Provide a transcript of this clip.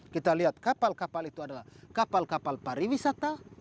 kita lihat kapal kapal itu adalah kapal kapal pariwisata